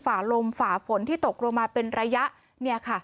ฝ่าลมฝ่าฝนที่ตกลงมาเป็นระยะ